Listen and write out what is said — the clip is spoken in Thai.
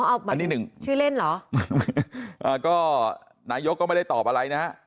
เอามาที่หนึ่งชื่อเล่นเหรออ่าก็นายกก็ไม่ได้ตอบอะไรนะฮะ